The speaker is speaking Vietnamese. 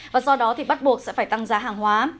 và do đó thì bắt buộc sẽ phải tăng giá hàng hóa